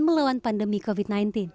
melawan pandemi covid sembilan belas